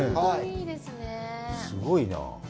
すごいなあ。